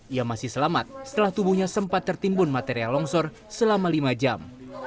ia masih selamat setelah tubuhnya sempat tertimbun material longsor selama lima jam